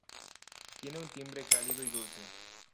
Tiene un timbre cálido y dulce.